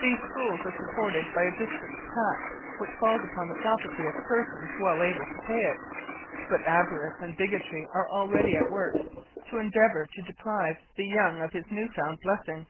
These schools are supported by a district tax, which falls upon the property of persons well able to pay it; but avarice and bigotry are already at work, to endeavour to deprive the young of his new found blessing.